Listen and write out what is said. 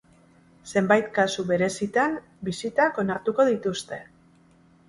Zenbait kasu berezitan bisitak onartuko dituzte.